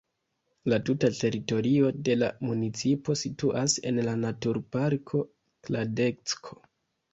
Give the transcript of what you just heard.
La tuta teritorio de la municipo situas en naturparko Kladecko.